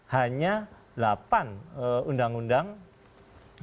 hanya delapan undang undang